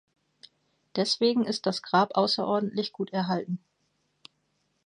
Deswegen ist das Grab außerordentlich gut erhalten.